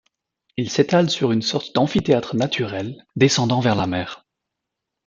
Il s'étale sur une sorte d'amphithéâtre naturel descendant vers la mer.